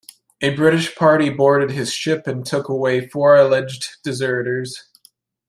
A British party boarded his ship and took away four alleged deserters.